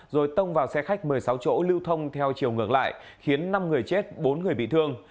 rồi tông vào xe khách một mươi sáu chỗ lưu thông theo chiều ngược lại khiến năm người chết bốn người bị thương